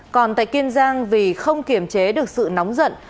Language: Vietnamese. còn tại kiên giang vì không kiểm chế được sự nóng giận